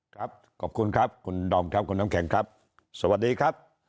ครับขอบคุณครับคุณดอมครับคุณน้ำแข็งครับสวัสดีครับ